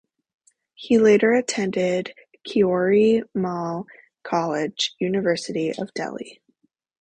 He later attended Kirori Mal College, University of Delhi.